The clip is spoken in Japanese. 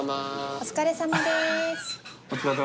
お疲れさまですー。